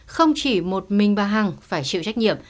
không chỉ một mình bà hằng phải chịu trách nhiệm